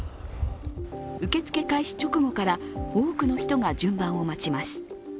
受け付け開始直後から多くの人が順番を待ちます。